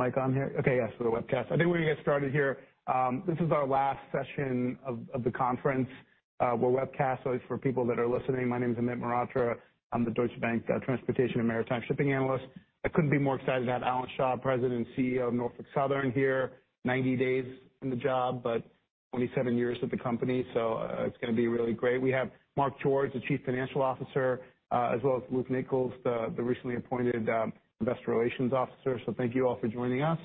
I am here? Okay, yes, we're webcast. I think we're going to get started here. This is our last session of the conference. We're webcast, so it's for people that are listening. My name is Amit Mehrotra. I'm the Deutsche Bank Transportation and Maritime Shipping Analyst. I couldn't be more excited to have Alan Shaw, President and CEO of Norfolk Southern, here. Ninety days in the job, but 27 years at the company, so it's going to be really great. We have Mark George, the Chief Financial Officer, as well as Luke Nichols, the recently appointed Investor Relations Officer. Thank you all for joining us.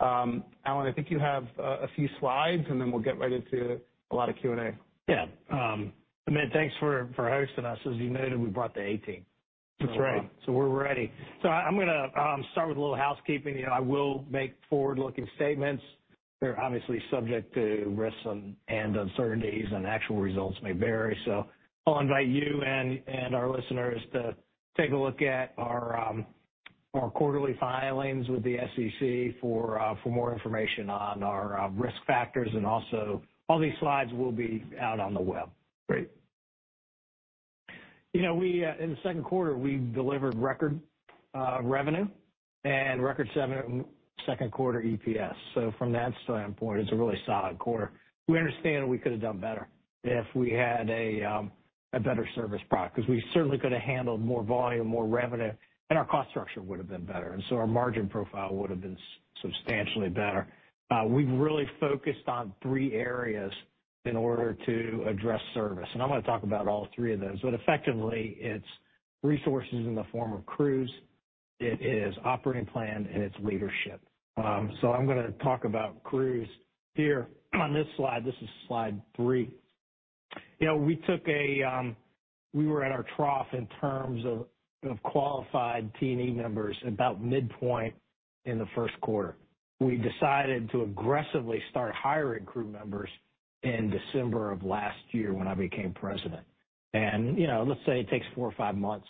Alan, I think you have a few slides, and then we'll get right into a lot of Q&A. Yeah. Amit, thanks for hosting us. As you noted, we brought the A-Team. That's right. We're ready. I'm going to start with a little housekeeping. I will make forward-looking statements. They're obviously subject to risks and uncertainties, and actual results may vary. I invite you and our listeners to take a look at our quarterly filings with the SEC for more information on our risk factors. Also, all these slides will be out on the web. Great. In the second quarter, we delivered record revenue and record-setting second-quarter EPS. From that standpoint, it's a really solid quarter. We understand we could have done better if we had a better service product because we certainly could have handled more volume, more revenue, and our cost structure would have been better. Our margin profile would have been substantially better. We've really focused on three areas in order to address service. I'm going to talk about all three of those. Effectively, it's resources in the form of crews, it is operating plan, and it's leadership. I'm going to talk about crews here on this slide. This is slide three. We were at our trough in terms of qualified T&E members about midpoint in the first quarter. We decided to aggressively start hiring crew members in December of last year when I became president. Let's say it takes four or five months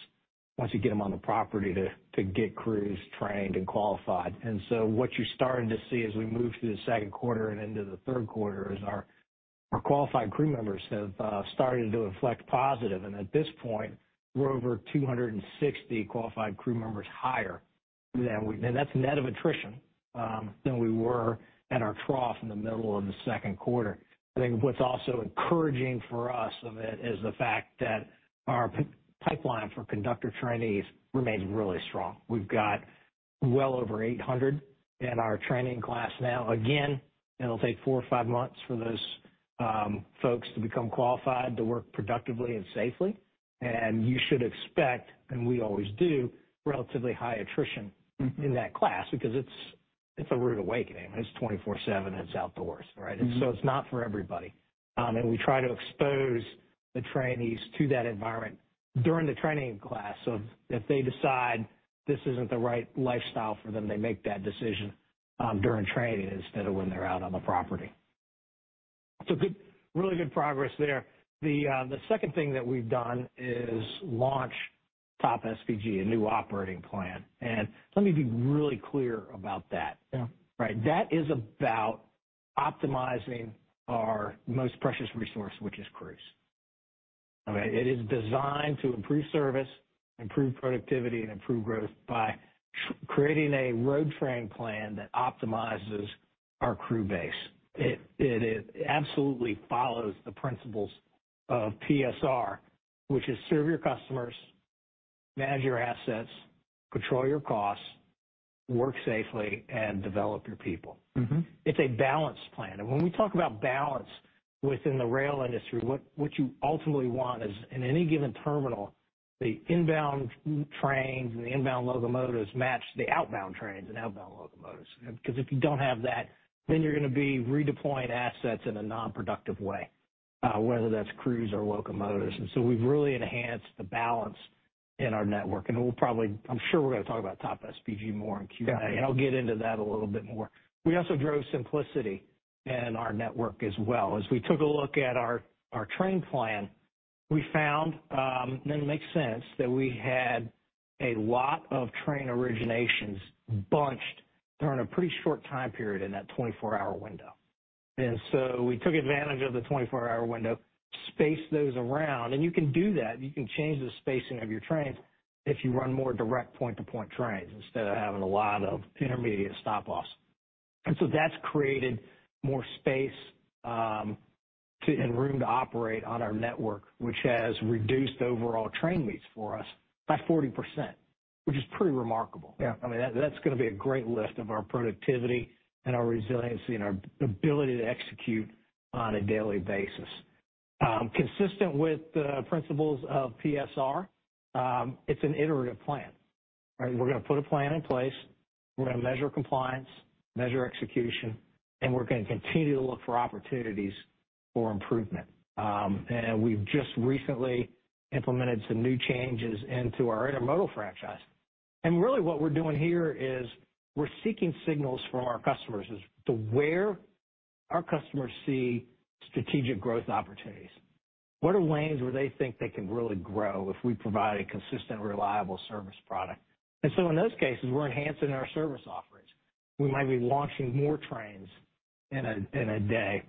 once you get them on the property to get crews trained and qualified. What you're starting to see as we move through the second quarter and into the third quarter is our qualified crew members have started to reflect positive. At this point, we're over 260 qualified crew members higher than we—that's net of attrition—than we were at our trough in the middle of the second quarter. I think what's also encouraging for us is the fact that our pipeline for conductor trainees remains really strong. We've got well over 800 in our training class now. Again, it'll take four or five months for those folks to become qualified to work productively and safely. You should expect, and we always do, relatively high attrition in that class because it's a rude awakening. It's 24/7. It's outdoors, right? It's not for everybody. We try to expose the trainees to that environment during the training class. If they decide this isn't the right lifestyle for them, they make that decision during training instead of when they're out on the property. Really good progress there. The second thing that we've done is launch TOP|SVG, a new operating plan. Let me be really clear about that. That is about optimizing our most precious resource, which is crews. It is designed to improve service, improve productivity, and improve growth by creating a road train plan that optimizes our crew base. It absolutely follows the principles of PSR, which is serve your customers, manage your assets, control your costs, work safely, and develop your people. It's a balanced plan. When we talk about balance within the rail industry, what you ultimately want is in any given terminal, the inbound trains and the inbound locomotives match the outbound trains and outbound locomotives. Because if you do not have that, then you are going to be redeploying assets in a non-productive way, whether that is crews or locomotives. We have really enhanced the balance in our network. I am sure we are going to talk about TOP|SVG more in Q&A. I will get into that a little bit more. We also drove simplicity in our network as well. As we took a look at our train plan, we found, and it makes sense, that we had a lot of train originations bunched during a pretty short time period in that 24-hour window. We took advantage of the 24-hour window, spaced those around. You can do that. You can change the spacing of your trains if you run more direct point-to-point trains instead of having a lot of intermediate stop-offs. That has created more space and room to operate on our network, which has reduced overall train needs for us by 40%, which is pretty remarkable. I mean, that's going to be a great lift of our productivity and our resiliency and our ability to execute on a daily basis. Consistent with the principles of PSR, it's an iterative plan. We're going to put a plan in place. We're going to measure compliance, measure execution, and we're going to continue to look for opportunities for improvement. We've just recently implemented some new changes into our intermodal franchise. Really, what we're doing here is we're seeking signals from our customers as to where our customers see strategic growth opportunities. What are lanes where they think they can really grow if we provide a consistent, reliable service product? In those cases, we're enhancing our service offerings. We might be launching more trains in a day.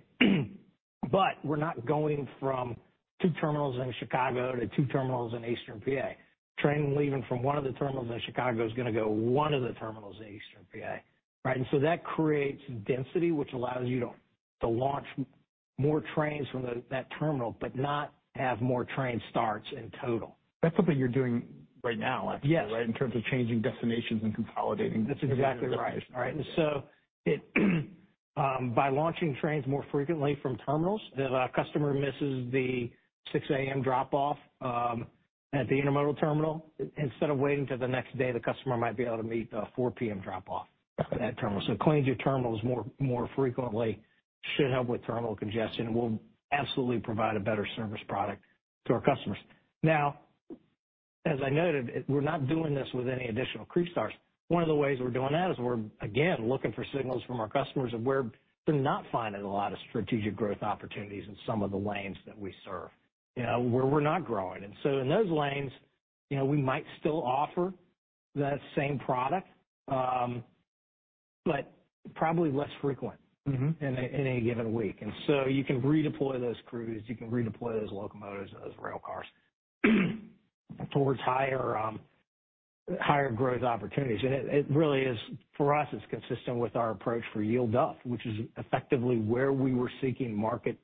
We're not going from two terminals in Chicago to two terminals in Eastern PA. A train leaving from one of the terminals in Chicago is going to go to one of the terminals in Eastern PA. That creates density, which allows you to launch more trains from that terminal, but not have more train starts in total. That's something you're doing right now, I think, right? In terms of changing destinations and consolidating destinations. That's exactly right. By launching trains more frequently from terminals, if a customer misses the 6:00 A.M. drop-off at the intermodal terminal, instead of waiting till the next day, the customer might be able to meet the 4:00 P.M. drop-off at that terminal. Cleaning your terminals more frequently should help with terminal congestion and will absolutely provide a better service product to our customers. As I noted, we're not doing this with any additional crew starts. One of the ways we're doing that is we're, again, looking for signals from our customers of where they're not finding a lot of strategic growth opportunities in some of the lanes that we serve, where we're not growing. In those lanes, we might still offer that same product, but probably less frequent in any given week. You can redeploy those crews. You can redeploy those locomotives and those rail cars towards higher growth opportunities. It really is, for us, it's consistent with our approach for yield up, which is effectively where we were seeking market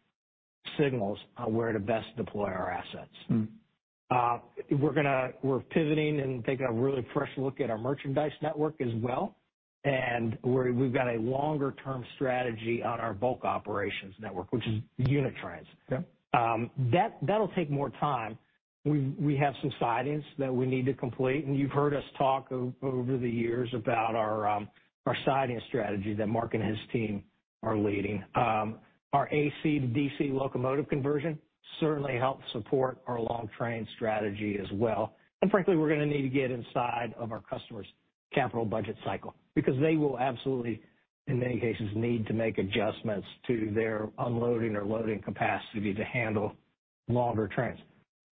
signals on where to best deploy our assets. We're pivoting and taking a really fresh look at our merchandise network as well. We have a longer-term strategy on our bulk operations network, which is unit trains. That'll take more time. We have some sidings that we need to complete. You've heard us talk over the years about our siding strategy that Mark and his team are leading. Our AC to DC locomotive conversion certainly helps support our long train strategy as well. Frankly, we're going to need to get inside of our customers' capital budget cycle because they will absolutely, in many cases, need to make adjustments to their unloading or loading capacity to handle longer trains.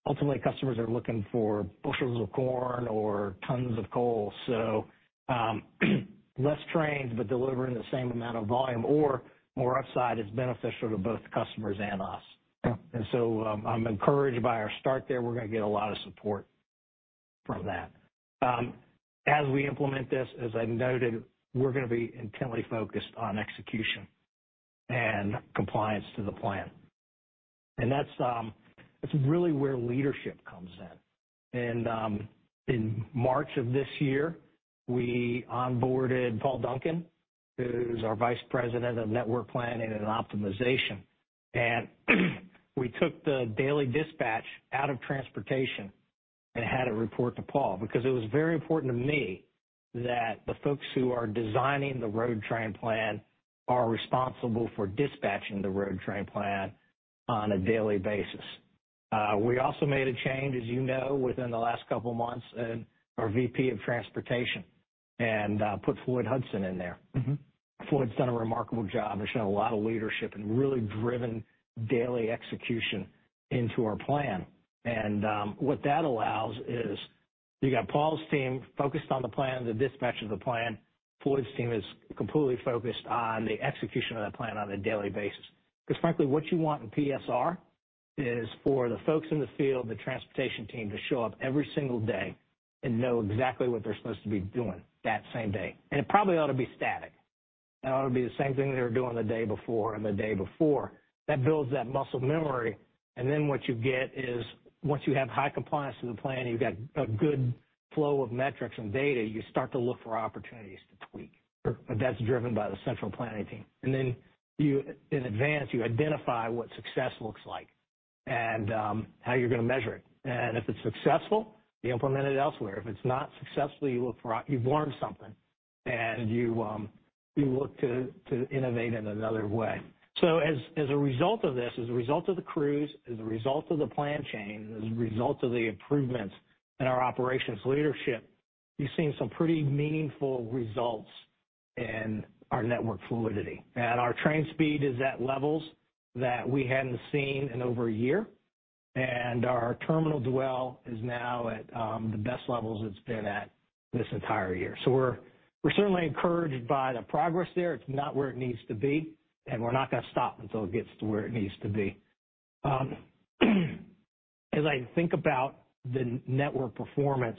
Ultimately, customers are looking for bushels of corn or tons of coal. Less trains, but delivering the same amount of volume or more upside is beneficial to both customers and us. I'm encouraged by our start there. We're going to get a lot of support from that. As we implement this, as I noted, we're going to be intently focused on execution and compliance to the plan. That's really where leadership comes in. In March of this year, we onboarded Paul Duncan, who's our Vice President of Network Planning and Optimization. We took the daily dispatch out of transportation and had it report to Paul because it was very important to me that the folks who are designing the road train plan are responsible for dispatching the road train plan on a daily basis. We also made a change, as you know, within the last couple of months in our VP of transportation and put Floyd Hudson in there. Floyd's done a remarkable job and shown a lot of leadership and really driven daily execution into our plan. What that allows is you got Paul's team focused on the plan, the dispatch of the plan. Floyd's team is completely focused on the execution of that plan on a daily basis. Because frankly, what you want in PSR is for the folks in the field, the transportation team, to show up every single day and know exactly what they're supposed to be doing that same day. It probably ought to be static. It ought to be the same thing they were doing the day before and the day before. That builds that muscle memory. What you get is once you have high compliance to the plan, you've got a good flow of metrics and data, you start to look for opportunities to tweak. That is driven by the central planning team. In advance, you identify what success looks like and how you're going to measure it. If it's successful, you implement it elsewhere. If it's not successful, you learn something and you look to innovate in another way. As a result of this, as a result of the crews, as a result of the plan change, as a result of the improvements in our operations leadership, you've seen some pretty meaningful results in our network fluidity. Our train speed is at levels that we hadn't seen in over a year. Our terminal dwell is now at the best levels it's been at this entire year. We're certainly encouraged by the progress there. It's not where it needs to be. We're not going to stop until it gets to where it needs to be. As I think about the network performance,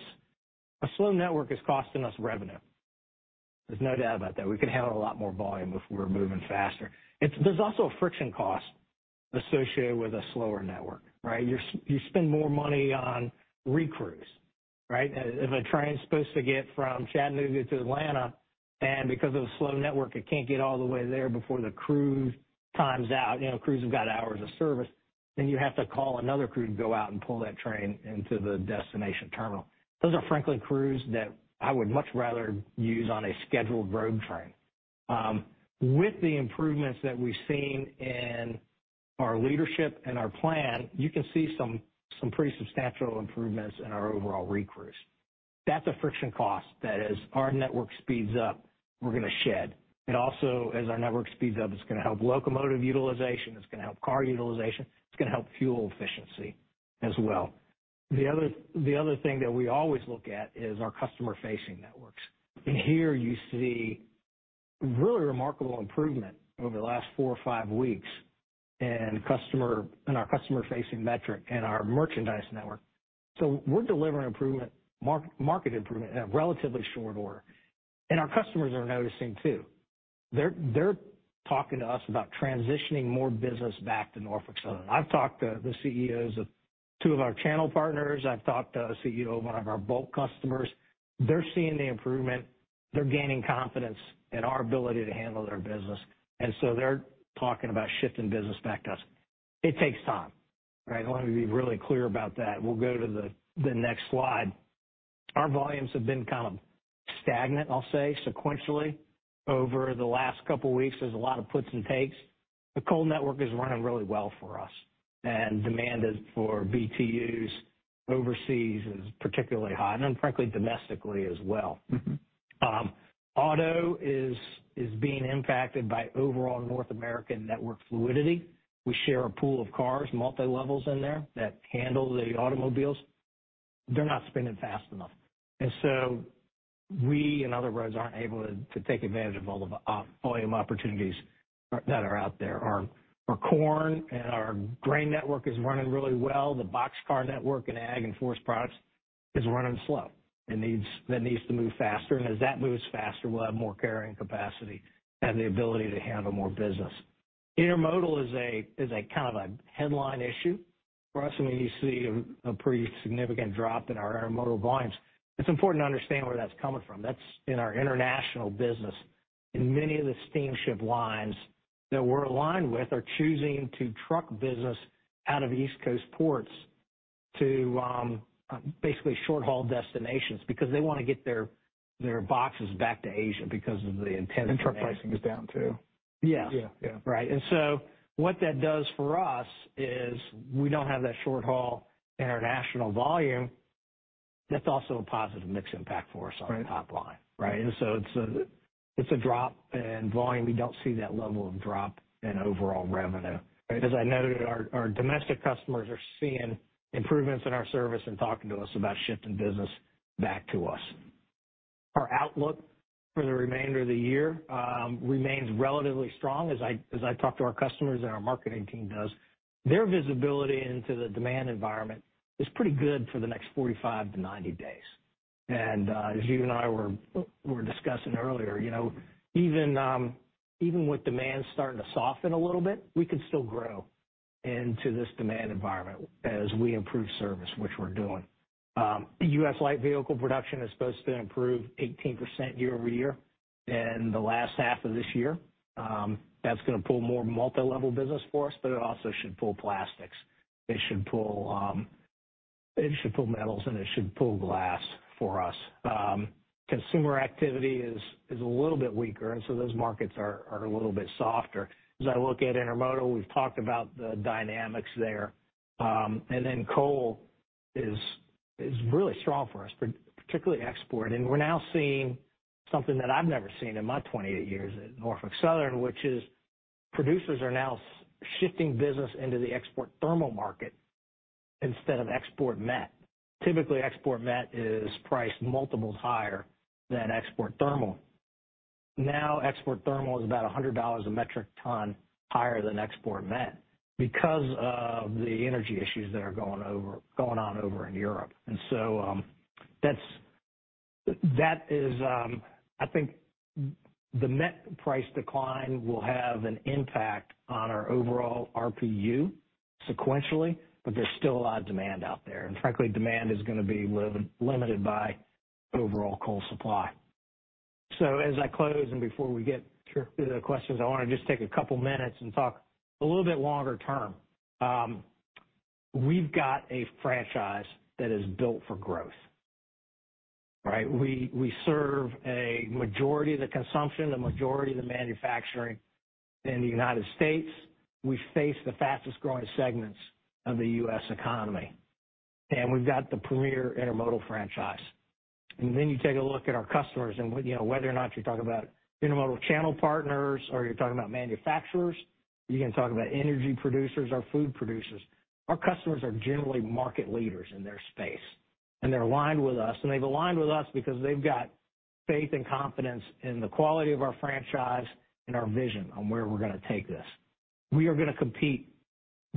a slow network is costing us revenue. There's no doubt about that. We could handle a lot more volume if we were moving faster. There's also a friction cost associated with a slower network, right? You spend more money on recruits, right? If a train's supposed to get from Chattanooga to Atlanta, and because of a slow network, it can't get all the way there before the crew times out, crews have got hours of service, you have to call another crew to go out and pull that train into the destination terminal. Those are frankly crews that I would much rather use on a scheduled road train. With the improvements that we've seen in our leadership and our plan, you can see some pretty substantial improvements in our overall recruits. That's a friction cost that as our network speeds up, we're going to shed. Also, as our network speeds up, it's going to help locomotive utilization. It's going to help car utilization. It's going to help fuel efficiency as well. The other thing that we always look at is our customer-facing networks. You see really remarkable improvement over the last four or five weeks in our customer-facing metric and our merchandise network. We are delivering market improvement in a relatively short order. Our customers are noticing too. They are talking to us about transitioning more business back to Norfolk Southern. I have talked to the CEOs of two of our channel partners. I have talked to a CEO of one of our bulk customers. They are seeing the improvement. They are gaining confidence in our ability to handle their business. They are talking about shifting business back to us. It takes time, right? Let me be really clear about that. We will go to the next slide. Our volumes have been kind of stagnant, I will say, sequentially over the last couple of weeks. There are a lot of puts and takes. The coal network is running really well for us. Demand for BTUs overseas is particularly high. Frankly, domestically as well. Auto is being impacted by overall North American network fluidity. We share a pool of cars, multi-levels in there that handle the automobiles. They're not spinning fast enough. We and other roads aren't able to take advantage of all the volume opportunities that are out there. Our corn and our grain network is running really well. The boxcar network and ag and forest products is running slow. It needs to move faster. As that moves faster, we'll have more carrying capacity and the ability to handle more business. Intermodal is kind of a headline issue for us. When you see a pretty significant drop in our intermodal volumes, it's important to understand where that's coming from. That's in our international business. Many of the steamship lines that we're aligned with are choosing to truck business out of East Coast ports to basically short-haul destinations because they want to get their boxes back to Asia because of the intent. Truck pricing is down too. Yes. Right. What that does for us is we don't have that short-haul international volume. That's also a positive mixed impact for us on the top line, right? It's a drop in volume. We don't see that level of drop in overall revenue. As I noted, our domestic customers are seeing improvements in our service and talking to us about shifting business back to us. Our outlook for the remainder of the year remains relatively strong. As I talk to our customers and our marketing team does, their visibility into the demand environment is pretty good for the next 45 to 90 days. As you and I were discussing earlier, even with demand starting to soften a little bit, we could still grow into this demand environment as we improve service, which we're doing. US light vehicle production is supposed to improve 18% year over year in the last half of this year. That is going to pull more multi-level business for us, but it also should pull plastics. It should pull metals, and it should pull glass for us. Consumer activity is a little bit weaker, and so those markets are a little bit softer. As I look at intermodal, we have talked about the dynamics there. Coal is really strong for us, particularly export. We are now seeing something that I have never seen in my 28 years at Norfolk Southern, which is producers are now shifting business into the export thermal market instead of export met. Typically, export met is priced multiples higher than export thermal. Now, export thermal is about $100 a metric ton higher than export met because of the energy issues that are going on over in Europe. That is, I think, the met price decline will have an impact on our overall RPU sequentially, but there's still a lot of demand out there. Frankly, demand is going to be limited by overall coal supply. As I close and before we get to the questions, I want to just take a couple of minutes and talk a little bit longer term. We've got a franchise that is built for growth, right? We serve a majority of the consumption, a majority of the manufacturing in the United States. We face the fastest growing segments of the U.S. economy. We've got the premier intermodal franchise. You take a look at our customers and whether or not you're talking about intermodal channel partners or you're talking about manufacturers, you can talk about energy producers or food producers. Our customers are generally market leaders in their space. They are aligned with us. They have aligned with us because they have got faith and confidence in the quality of our franchise and our vision on where we are going to take this. We are going to compete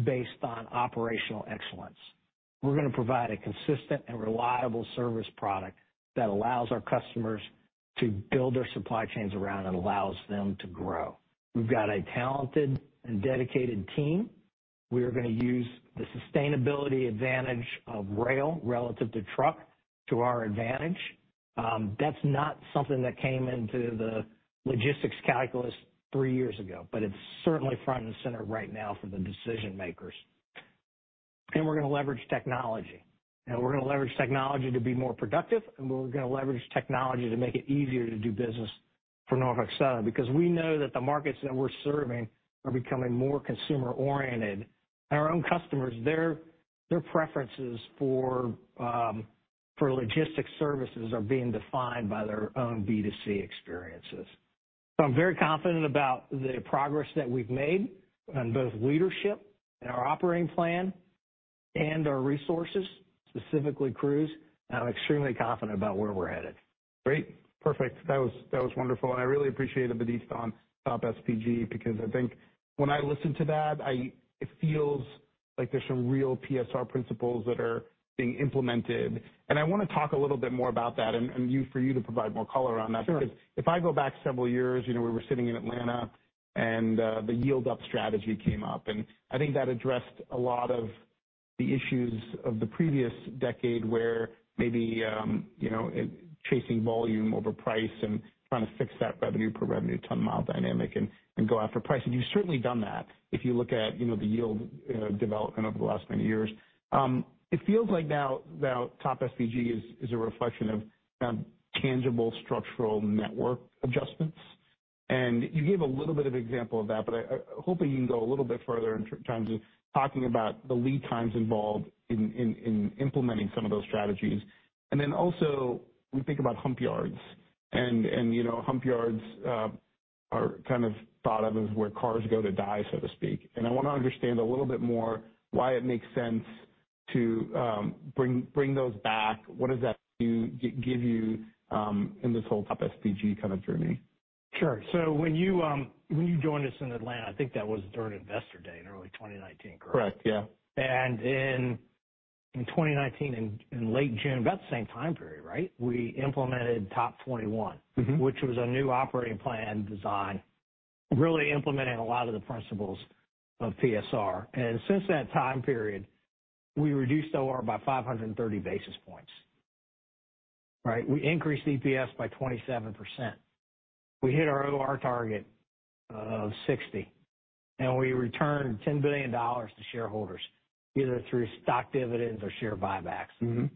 based on operational excellence. We are going to provide a consistent and reliable service product that allows our customers to build their supply chains around and allows them to grow. We have got a talented and dedicated team. We are going to use the sustainability advantage of rail relative to truck to our advantage. That is not something that came into the logistics calculus three years ago, but it is certainly front and center right now for the decision makers. We are going to leverage technology. We are going to leverage technology to be more productive. We are going to leverage technology to make it easier to do business for Norfolk Southern because we know that the markets that we are serving are becoming more consumer-oriented. Our own customers, their preferences for logistics services are being defined by their own B2C experiences. I am very confident about the progress that we have made on both leadership and our operating plan and our resources, specifically crews. I am extremely confident about where we are headed. Great. Perfect. That was wonderful. I really appreciate it, because I think when I listen to that, it feels like there's some real PSR principles that are being implemented. I want to talk a little bit more about that and for you to provide more color on that. If I go back several years, we were sitting in Atlanta and the yield-up strategy came up. I think that addressed a lot of the issues of the previous decade where maybe chasing volume over price and trying to fix that revenue per revenue ton mile dynamic and go after price. You have certainly done that if you look at the yield development over the last many years. It feels like now TOP|SVG is a reflection of tangible structural network adjustments. You gave a little bit of example of that, but hopefully you can go a little bit further in terms of talking about the lead times involved in implementing some of those strategies. Also, we think about hump yards. Hump yards are kind of thought of as where cars go to die, so to speak. I want to understand a little bit more why it makes sense to bring those back. What does that give you in this whole TOP|SVG kind of journey? Sure. When you joined us in Atlanta, I think that was during Investor Day in early 2019, correct? Correct. Yeah. In 2019, in late June, about the same time period, right, we implemented Top 21, which was a new operating plan design, really implementing a lot of the principles of PSR. Since that time period, we reduced OR by 530 basis points, right? We increased EPS by 27%. We hit our OR target of 60. We returned $10 billion to shareholders either through stock dividends or share buybacks.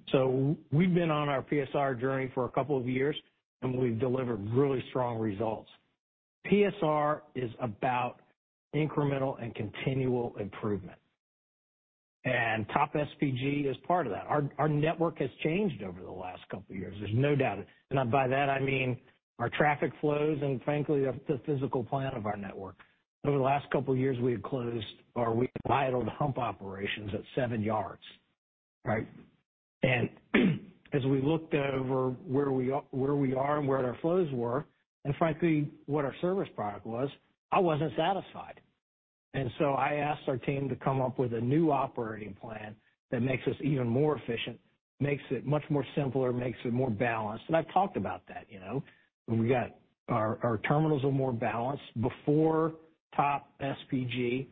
We have been on our PSR journey for a couple of years, and we have delivered really strong results. PSR is about incremental and continual improvement. TOP|SVG is part of that. Our network has changed over the last couple of years. There is no doubt. By that, I mean our traffic flows and, frankly, the physical plan of our network. Over the last couple of years, we had closed or we had idled hump operations at seven yards, right? As we looked over where we are and where our flows were and frankly, what our service product was, I wasn't satisfied. I asked our team to come up with a new operating plan that makes us even more efficient, makes it much more simpler, makes it more balanced. I've talked about that. We've got our terminals are more balanced. Before TOP|SVG,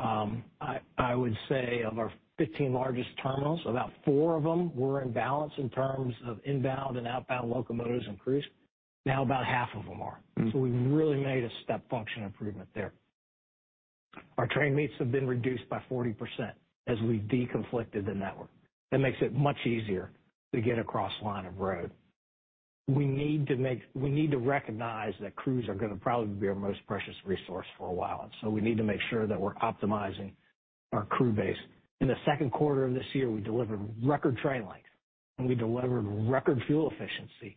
I would say of our 15 largest terminals, about four of them were in balance in terms of inbound and outbound locomotives and crews. Now about half of them are. We really made a step function improvement there. Our train meets have been reduced by 40% as we've deconflicted the network. That makes it much easier to get across line of road. We need to recognize that crews are going to probably be our most precious resource for a while. We need to make sure that we're optimizing our crew base. In the second quarter of this year, we delivered record train length. We delivered record fuel efficiency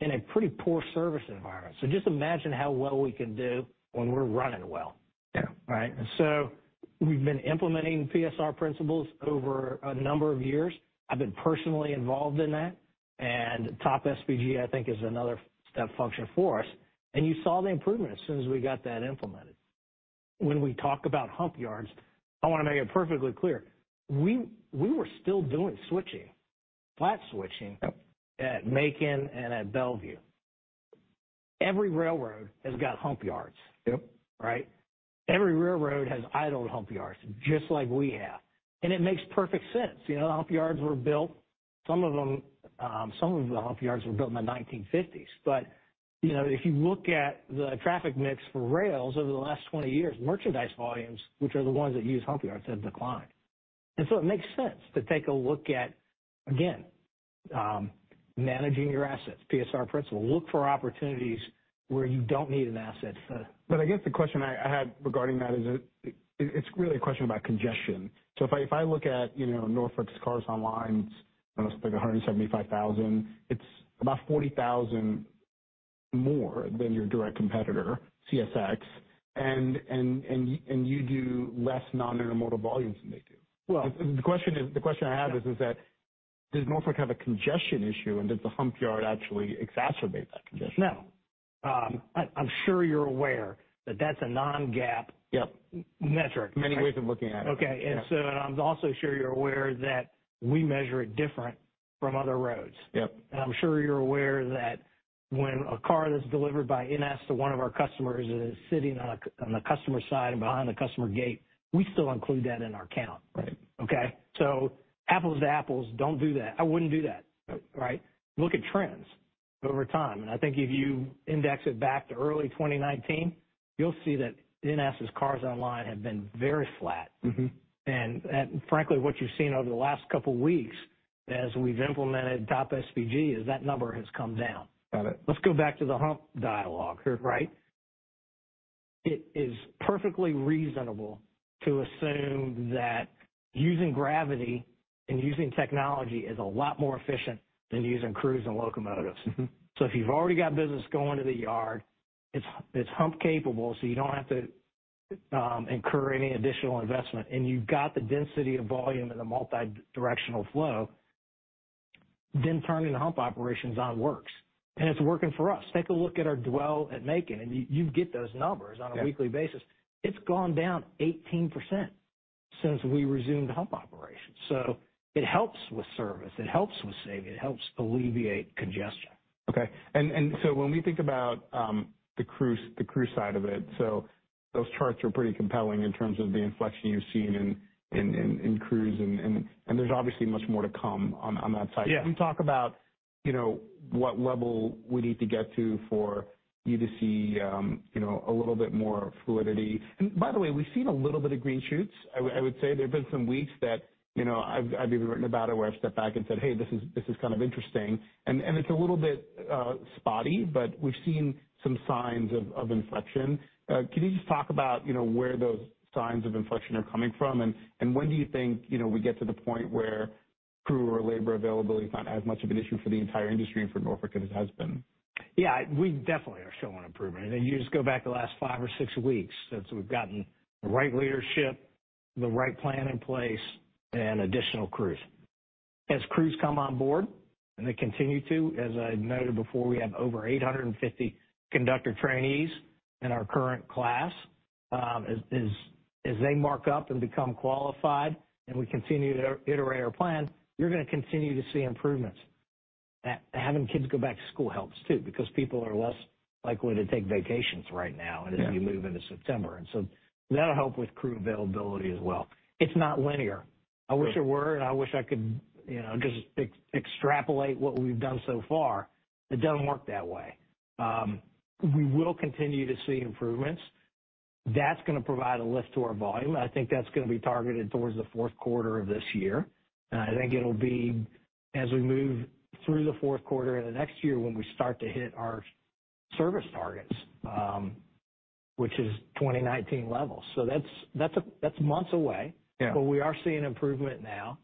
in a pretty poor service environment. Just imagine how well we can do when we're running well, right? We've been implementing PSR principles over a number of years. I've been personally involved in that. TOP|SVG, I think, is another step function for us. You saw the improvement as soon as we got that implemented. When we talk about hump yards, I want to make it perfectly clear. We were still doing switching, flat switching at Macon and at Bellevue. Every railroad has got hump yards, right? Every railroad has idled hump yards, just like we have. It makes perfect sense. The hump yards were built. Some of the hump yards were built in the 1950s. If you look at the traffic mix for rails over the last 20 years, merchandise volumes, which are the ones that use hump yards, have declined. It makes sense to take a look at, again, managing your assets, PSR principle. Look for opportunities where you do not need an asset. I guess the question I had regarding that is it's really a question about congestion. If I look at Norfolk's cars online, it's like 175,000. It's about 40,000 more than your direct competitor, CSX. You do less non-intermodal volumes than they do. The question I have is that does Norfolk have a congestion issue? Does the hump yard actually exacerbate that congestion? No. I'm sure you're aware that that's a non-GAAP metric. Many ways of looking at it. Okay. I am also sure you're aware that we measure it different from other roads. I am sure you're aware that when a car that's delivered by NS to one of our customers is sitting on the customer side and behind the customer gate, we still include that in our count. Okay? Apples to apples, do not do that. I would not do that, right? Look at trends over time. I think if you index it back to early 2019, you'll see that NS's cars online have been very flat. Frankly, what you've seen over the last couple of weeks as we've implemented TOP|SVG is that number has come down. Let's go back to the hump dialogue, right? It is perfectly reasonable to assume that using gravity and using technology is a lot more efficient than using crews and locomotives. If you've already got business going to the yard, it's hump-capable, so you don't have to incur any additional investment. You've got the density of volume and the multi-directional flow, then turning the hump operations on works. It's working for us. Take a look at our dwell at Macon. You get those numbers on a weekly basis. It's gone down 18% since we resumed hump operations. It helps with service. It helps with saving. It helps alleviate congestion. Okay. When we think about the crew side of it, those charts are pretty compelling in terms of the inflection you've seen in crews. There's obviously much more to come on that side. Can you talk about what level we need to get to for you to see a little bit more fluidity? By the way, we've seen a little bit of green shoots, I would say. There have been some weeks that I've even written about it where I've stepped back and said, "Hey, this is kind of interesting." It's a little bit spotty, but we've seen some signs of inflection. Can you just talk about where those signs of inflection are coming from? When do you think we get to the point where crew or labor availability is not as much of an issue for the entire industry and for Norfolk as it has been? Yeah. We definitely are showing improvement. You just go back the last five or six weeks. We have gotten the right leadership, the right plan in place, and additional crews. As crews come on board, and they continue to, as I noted before, we have over 850 conductor trainees in our current class. As they mark up and become qualified, and we continue to iterate our plan, you are going to continue to see improvements. Having kids go back to school helps too because people are less likely to take vacations right now as you move into September. That will help with crew availability as well. It is not linear. I wish it were, and I wish I could just extrapolate what we have done so far. It does not work that way. We will continue to see improvements. That is going to provide a lift to our volume. I think that's going to be targeted towards the fourth quarter of this year. I think it'll be as we move through the fourth quarter of the next year when we start to hit our service targets, which is 2019 levels. That is months away, but we are seeing improvement now.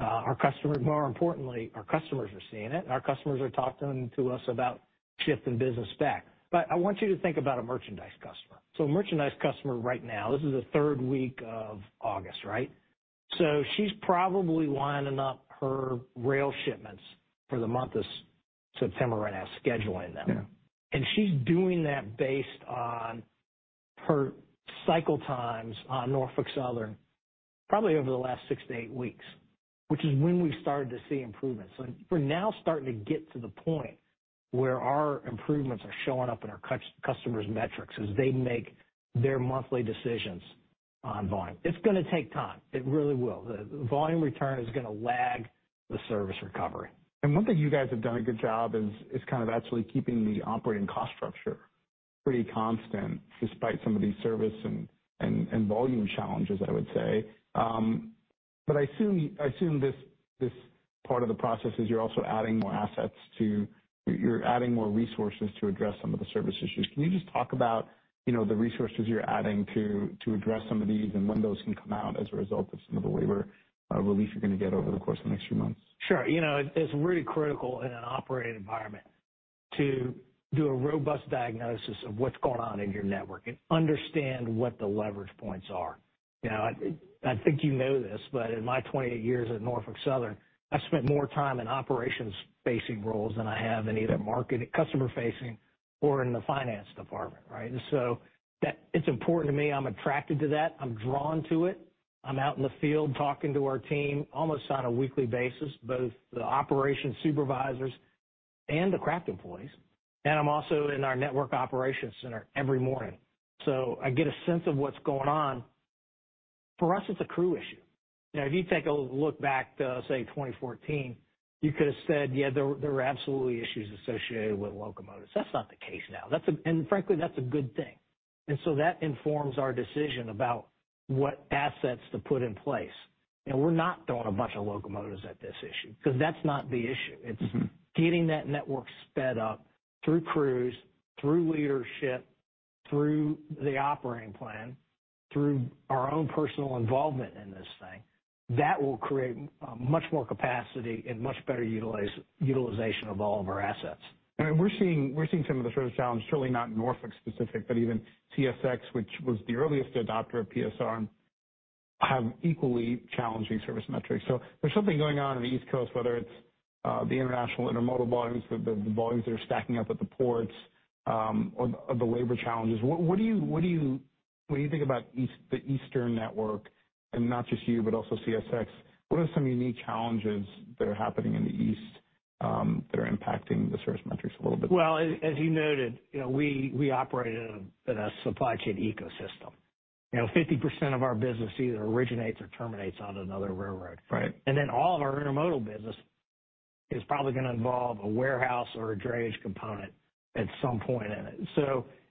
More importantly, our customers are seeing it. Our customers are talking to us about shifting business back. I want you to think about a merchandise customer. A merchandise customer right now, this is the third week of August, right? She is probably lining up her rail shipments for the month of September right now, scheduling them. She is doing that based on her cycle times on Norfolk Southern, probably over the last six to eight weeks, which is when we've started to see improvements. We are now starting to get to the point where our improvements are showing up in our customers' metrics as they make their monthly decisions on volume. It is going to take time. It really will. The volume return is going to lag the service recovery. One thing you guys have done a good job is kind of actually keeping the operating cost structure pretty constant despite some of these service and volume challenges, I would say. I assume this part of the process is you're also adding more assets to, you're adding more resources to address some of the service issues. Can you just talk about the resources you're adding to address some of these and when those can come out as a result of some of the labor relief you're going to get over the course of the next few months? Sure. It's really critical in an operating environment to do a robust diagnosis of what's going on in your network and understand what the leverage points are. I think you know this, but in my 28 years at Norfolk Southern, I've spent more time in operations-facing roles than I have in either customer-facing or in the finance department, right? It's important to me. I'm attracted to that. I'm drawn to it. I'm out in the field talking to our team almost on a weekly basis, both the operations supervisors and the craft employees. I'm also in our network operations center every morning. I get a sense of what's going on. For us, it's a crew issue. If you take a look back to, say, 2014, you could have said, "Yeah, there were absolutely issues associated with locomotives." That's not the case now. Frankly, that's a good thing. That informs our decision about what assets to put in place. We're not throwing a bunch of locomotives at this issue because that's not the issue. It's getting that network sped up through crews, through leadership, through the operating plan, through our own personal involvement in this thing. That will create much more capacity and much better utilization of all of our assets. I mean, we're seeing some of the service challenges, certainly not Norfolk specific, but even CSX, which was the earliest adopter of PSR, have equally challenging service metrics. There is something going on in the East Coast, whether it's the international intermodal volumes, the volumes that are stacking up at the ports, or the labor challenges. What do you think about the Eastern network, and not just you, but also CSX? What are some unique challenges that are happening in the East that are impacting the service metrics a little bit? As you noted, we operate in a supply chain ecosystem. 50% of our business either originates or terminates on another railroad. All of our intermodal business is probably going to involve a warehouse or a drayage component at some point in it.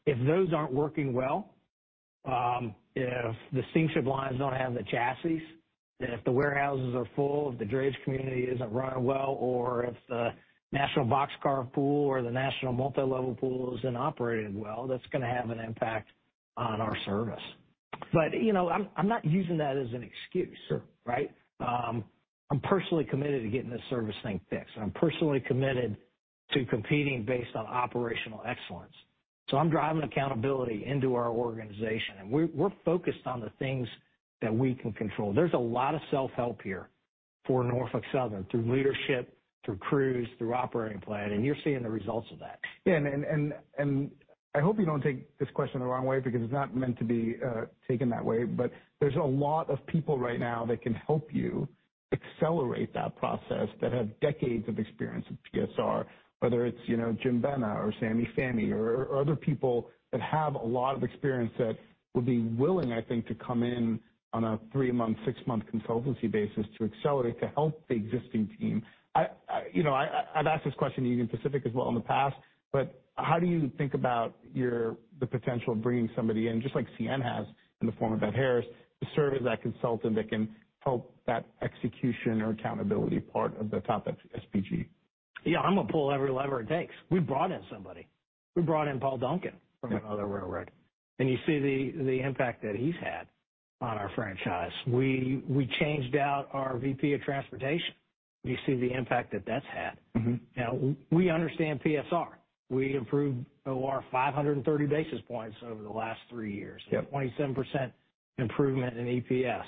If those are not working well, if the steamship lines do not have the chassis, if the warehouses are full, if the drayage community is not running well, or if the national boxcar pool or the national multi-level pool is not operating well, that is going to have an impact on our service. I am not using that as an excuse, right? I am personally committed to getting this service thing fixed. I am personally committed to competing based on operational excellence. I am driving accountability into our organization. We are focused on the things that we can control. There's a lot of self-help here for Norfolk Southern through leadership, through crews, through operating plan. You're seeing the results of that. Yeah. I hope you don't take this question the wrong way because it's not meant to be taken that way. There's a lot of people right now that can help you accelerate that process that have decades of experience in PSR, whether it's Jim Bennett or Sameh Fahmy or other people that have a lot of experience that would be willing, I think, to come in on a three-month, six-month consultancy basis to accelerate to help the existing team. I've asked this question to Union Pacific as well in the past, but how do you think about the potential of bringing somebody in, just like CN has in the form of Ed Harris, to serve as that consultant that can help that execution or accountability part of the TOP|SVG? Yeah. I'm going to pull every lever it takes. We brought in somebody. We brought in Paul Duncan from another railroad. You see the impact that he's had on our franchise. We changed out our VP of transportation. You see the impact that that's had. Now, we understand PSR. We improved OR 530 basis points over the last three years. It's a 27% improvement in EPS.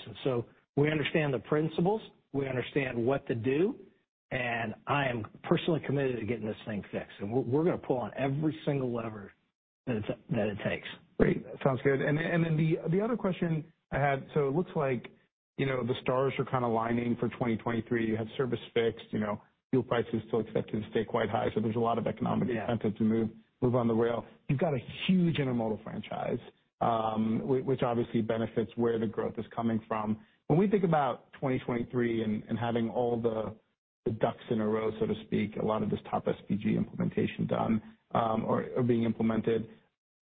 We understand the principles. We understand what to do. I am personally committed to getting this thing fixed. We're going to pull on every single lever that it takes. Great. That sounds good. The other question I had, it looks like the stars are kind of lining for 2023. You have service fixed. Fuel prices still expected to stay quite high. There is a lot of economic incentive to move on the rail. You have a huge intermodal franchise, which obviously benefits where the growth is coming from. When we think about 2023 and having all the ducks in a row, so to speak, a lot of this TOP|SVG implementation done or being implemented,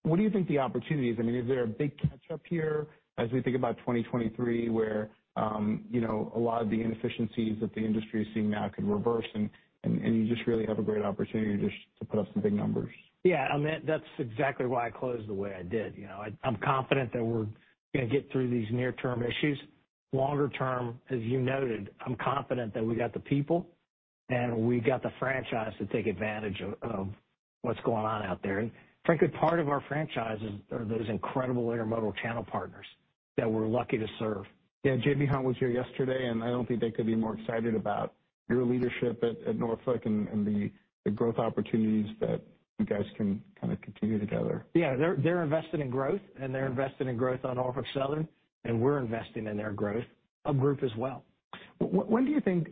what do you think the opportunity is? I mean, is there a big catch-up here as we think about 2023 where a lot of the inefficiencies that the industry is seeing now can reverse? You just really have a great opportunity just to put up some big numbers. Yeah. I mean, that's exactly why I closed the way I did. I'm confident that we're going to get through these near-term issues. Longer term, as you noted, I'm confident that we got the people and we got the franchise to take advantage of what's going on out there. Frankly, part of our franchise are those incredible intermodal channel partners that we're lucky to serve. Yeah. J.B. Hunt was here yesterday, and I don't think they could be more excited about your leadership at Norfolk and the growth opportunities that you guys can kind of continue together. Yeah. They're invested in growth, and they're invested in growth on Norfolk Southern, and we're investing in their growth as well. When do you think,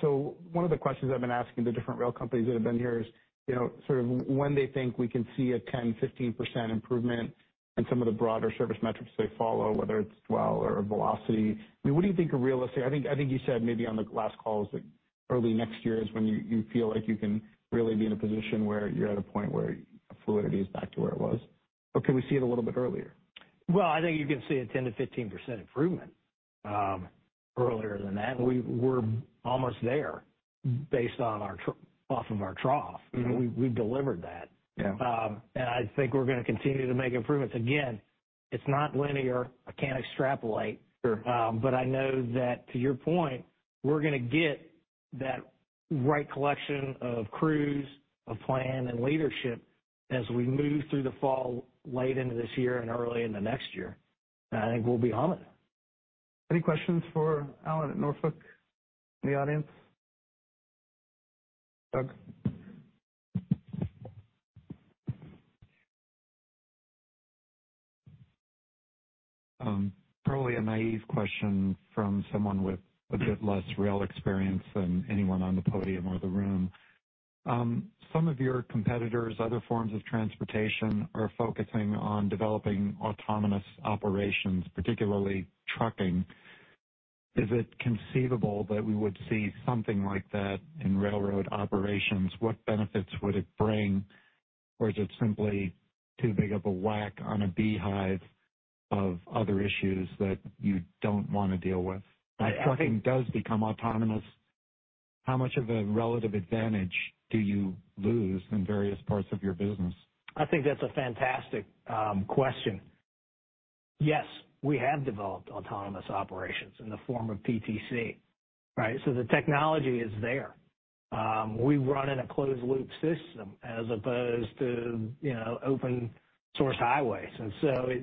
so one of the questions I've been asking to different rail companies that have been here is sort of when they think we can see a 10-15% improvement in some of the broader service metrics they follow, whether it's dwell or velocity. I mean, what do you think are realistic? I think you said maybe on the last calls that early next year is when you feel like you can really be in a position where you're at a point where fluidity is back to where it was. Or can we see it a little bit earlier? I think you can see a 10-15% improvement earlier than that. We're almost there based off of our trough. We've delivered that. I think we're going to continue to make improvements. Again, it's not linear. I can't extrapolate. I know that to your point, we're going to get that right collection of crews, of plan, and leadership as we move through the fall late into this year and early into next year. I think we'll be humming. Any questions for Alan at Norfolk in the audience? Doug? Probably a naive question from someone with a bit less rail experience than anyone on the podium or the room. Some of your competitors, other forms of transportation, are focusing on developing autonomous operations, particularly trucking. Is it conceivable that we would see something like that in railroad operations? What benefits would it bring, or is it simply too big of a whack on a beehive of other issues that you do not want to deal with? If trucking does become autonomous, how much of a relative advantage do you lose in various parts of your business? I think that's a fantastic question. Yes, we have developed autonomous operations in the form of PTC, right? The technology is there. We run in a closed-loop system as opposed to open-source highways.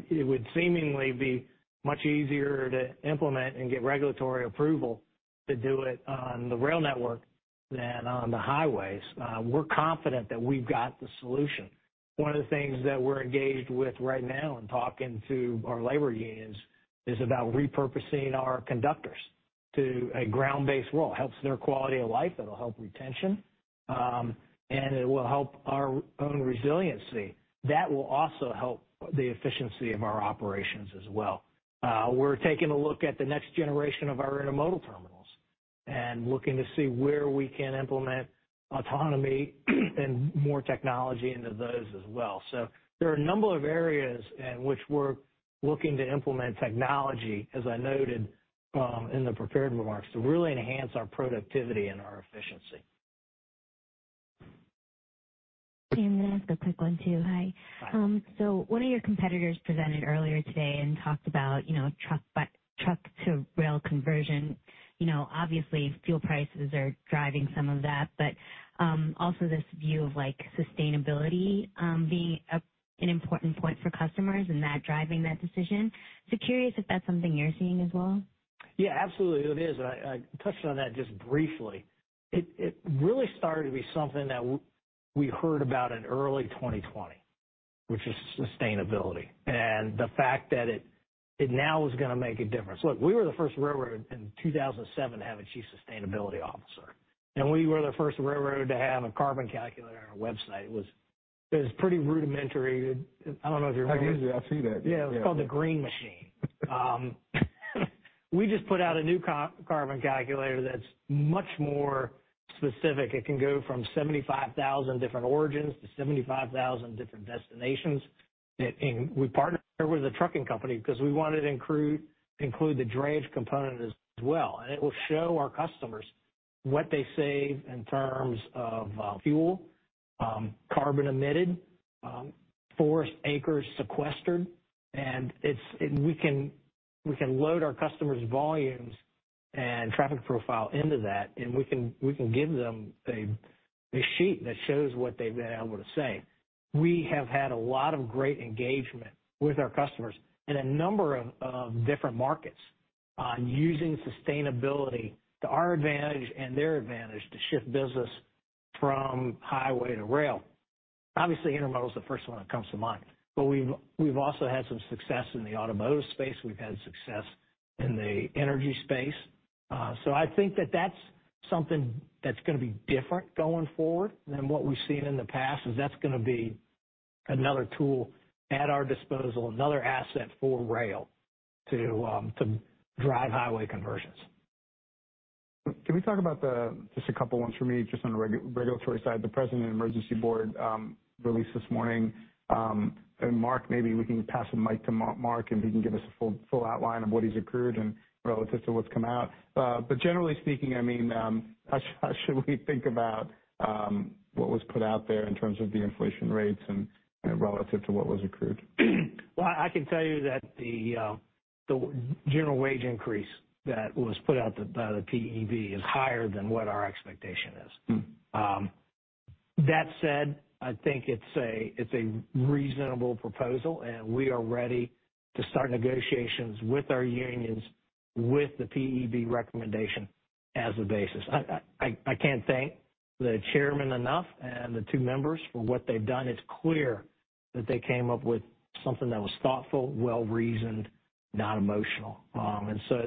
It would seemingly be much easier to implement and get regulatory approval to do it on the rail network than on the highways. We're confident that we've got the solution. One of the things that we're engaged with right now in talking to our labor unions is about repurposing our conductors to a ground-based role. It helps their quality of life. It'll help retention, and it will help our own resiliency. That will also help the efficiency of our operations as well. We're taking a look at the next generation of our intermodal terminals and looking to see where we can implement autonomy and more technology into those as well. There are a number of areas in which we're looking to implement technology, as I noted in the prepared remarks, to really enhance our productivity and our efficiency. A quick one too. Hi. One of your competitors presented earlier today and talked about truck-to-rail conversion. Obviously, fuel prices are driving some of that, but also this view of sustainability being an important point for customers and that driving that decision. Curious if that's something you're seeing as well. Yeah, absolutely. It is. I touched on that just briefly. It really started to be something that we heard about in early 2020, which is sustainability and the fact that it now was going to make a difference. Look, we were the first railroad in 2007 to have a chief sustainability officer. We were the first railroad to have a carbon calculator on our website. It was pretty rudimentary. I don't know if you're familiar. I've used it. I've seen it. Yeah. It's called the Green Machine. We just put out a new carbon calculator that's much more specific. It can go from 75,000 different origins to 75,000 different destinations. We partnered with a trucking company because we wanted to include the drayage component as well. It will show our customers what they save in terms of fuel, carbon emitted, forest acres sequestered. We can load our customers' volumes and traffic profile into that. We can give them a sheet that shows what they've been able to save. We have had a lot of great engagement with our customers in a number of different markets using sustainability to our advantage and their advantage to shift business from highway to rail. Obviously, intermodal is the first one that comes to mind. We have also had some success in the automotive space. We have had success in the energy space. I think that that's something that's going to be different going forward than what we've seen in the past, is that's going to be another tool at our disposal, another asset for rail to drive highway conversions. Can we talk about the just a couple of ones for me, just on the regulatory side? The President Emergency Board released this morning. Mark, maybe we can pass the mic to Mark, and he can give us a full outline of what he's accrued and relative to what's come out. Generally speaking, I mean, how should we think about what was put out there in terms of the inflation rates and relative to what was accrued? I can tell you that the general wage increase that was put out by the PEB is higher than what our expectation is. That said, I think it's a reasonable proposal, and we are ready to start negotiations with our unions, with the PEB recommendation as the basis. I can't thank the chairman enough and the two members for what they've done. It's clear that they came up with something that was thoughtful, well-reasoned, not emotional. It's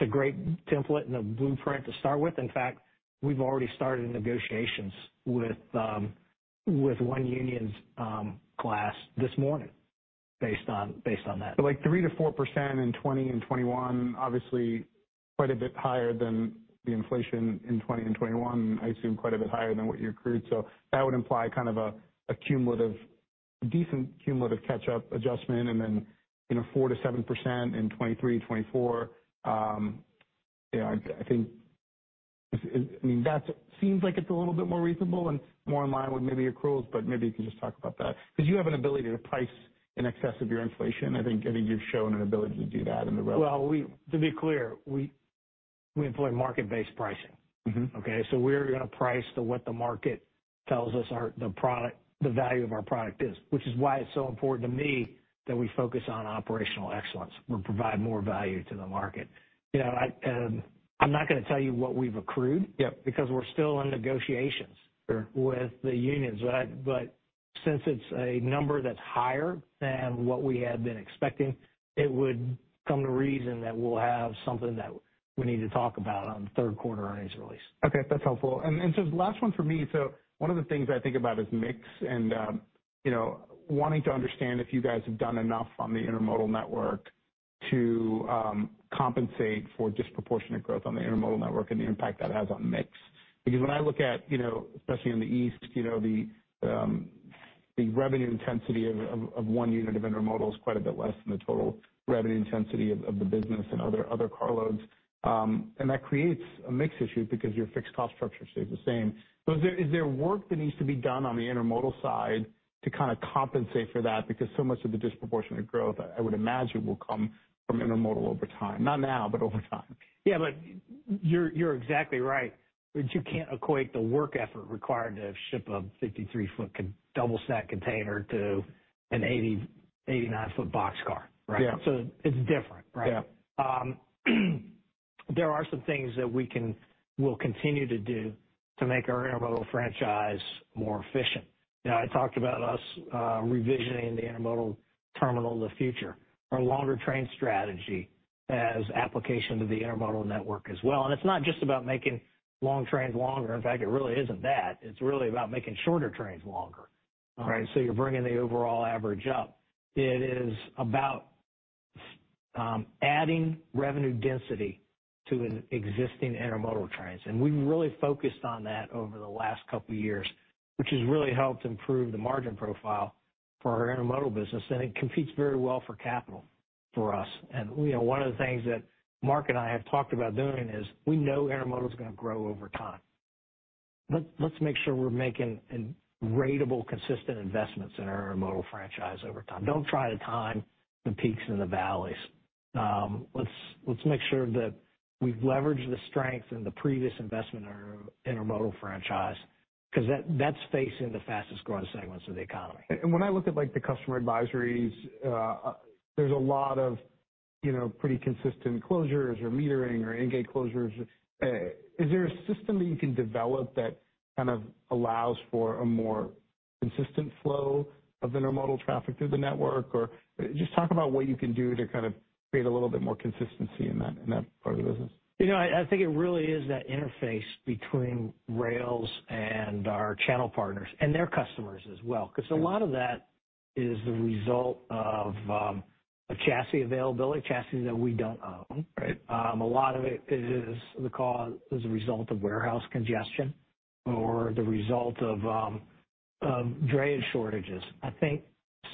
a great template and a blueprint to start with. In fact, we've already started negotiations with one union's class this morning based on that. Like 3-4% in 2020 and 2021, obviously quite a bit higher than the inflation in 2020 and 2021, and I assume quite a bit higher than what you accrued. That would imply kind of a decent cumulative catch-up adjustment. Then 4-7% in 2023, 2024, yeah, I think I mean, that seems like it's a little bit more reasonable and more in line with maybe accruals, but maybe you can just talk about that. Because you have an ability to price in excess of your inflation. I think you've shown an ability to do that in the railroad. To be clear, we employ market-based pricing, okay? So we're going to price to what the market tells us the value of our product is, which is why it's so important to me that we focus on operational excellence. We'll provide more value to the market. I'm not going to tell you what we've accrued because we're still in negotiations with the unions. Since it's a number that's higher than what we had been expecting, it would come to reason that we'll have something that we need to talk about on third-quarter earnings release. Okay. That's helpful. Last one for me. One of the things I think about is mix and wanting to understand if you guys have done enough on the intermodal network to compensate for disproportionate growth on the intermodal network and the impact that has on mix. When I look at, especially in the East, the revenue intensity of one unit of intermodal is quite a bit less than the total revenue intensity of the business and other carloads. That creates a mix issue because your fixed cost structure stays the same. Is there work that needs to be done on the intermodal side to kind of compensate for that? So much of the disproportionate growth, I would imagine, will come from intermodal over time. Not now, but over time. Yeah. You're exactly right. You can't equate the work effort required to ship a 53-foot double-set container to an 89-foot boxcar, right? It's different, right? There are some things that we will continue to do to make our intermodal franchise more efficient. I talked about us revisioning the intermodal terminal of the future. Our longer train strategy has application to the intermodal network as well. It's not just about making long trains longer. In fact, it really isn't that. It's really about making shorter trains longer, right? You're bringing the overall average up. It is about adding revenue density to existing intermodal trains. We've really focused on that over the last couple of years, which has really helped improve the margin profile for our intermodal business. It competes very well for capital for us. One of the things that Mark and I have talked about doing is we know intermodal is going to grow over time. Let's make sure we're making ratable, consistent investments in our intermodal franchise over time. Do not try to time the peaks and the valleys. Let's make sure that we've leveraged the strength and the previous investment in our intermodal franchise because that's facing the fastest growing segments of the economy. When I look at the customer advisories, there's a lot of pretty consistent closures or metering or end-gate closures. Is there a system that you can develop that kind of allows for a more consistent flow of intermodal traffic through the network? Just talk about what you can do to kind of create a little bit more consistency in that part of the business. You know, I think it really is that interface between rails and our channel partners and their customers as well. Because a lot of that is the result of chassis availability, chassis that we do not own. A lot of it is the result of warehouse congestion or the result of drayage shortages. I think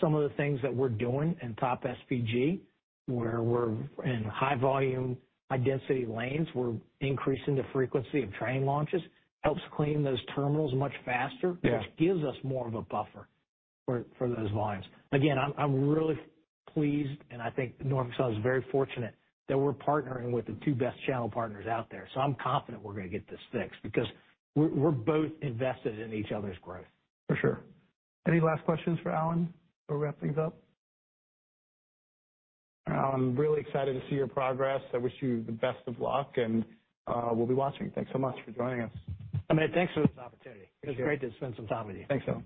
some of the things that we are doing in TOP|SVG, where we are in high-volume, high-density lanes, we are increasing the frequency of train launches, helps clean those terminals much faster, which gives us more of a buffer for those volumes. Again, I am really pleased, and I think Norfolk Southern is very fortunate that we are partnering with the two best channel partners out there. I am confident we are going to get this fixed because we are both invested in each other's growth. For sure. Any last questions for Alan before we wrap things up? All right, Alan. Really excited to see your progress. I wish you the best of luck, and we'll be watching. Thanks so much for joining us. I mean, thanks for this opportunity. It's great to spend some time with you. Thanks, Alan.